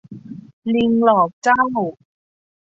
ลิงหลอกเจ้า